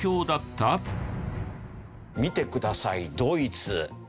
見てくださいドイツ。